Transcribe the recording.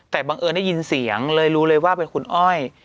แต่บังเอิญได้ยินเสียงเลยรู้เลยว่าเป็นคุณอ้อย